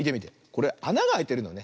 これあながあいてるのね。